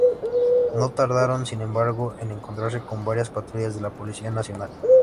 No tardaron, sin embargo, en encontrarse con varias patrullas de la Policía Nacional.